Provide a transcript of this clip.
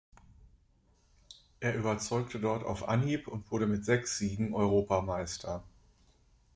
Er überzeugte dort auf Anhieb und wurde mit sechs Siegen Europameister.